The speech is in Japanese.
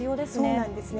そうなんですね。